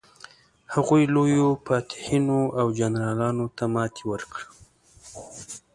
هغوی لویو فاتحینو او جنرالانو ته ماتې ورکړې.